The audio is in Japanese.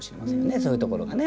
そういうところがね。